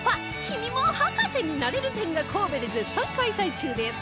「君も博士になれる展」が神戸で絶賛開催中です